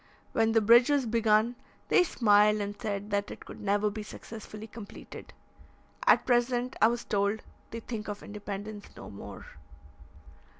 When the bridge was begun, they smiled, and said that it could never be successfully completed. At present, I was told, they think of independence no more.